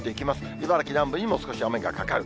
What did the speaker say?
茨城南部にも、少し雨がかかる。